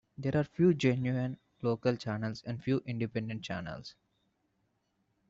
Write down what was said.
There are few genuine local channels and few independent channels.